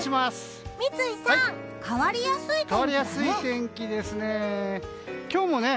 三井さん、変わりやすい天気だね。